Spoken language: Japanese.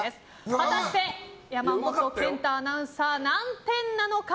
果たして、山本賢太アナウンサー何点なのか。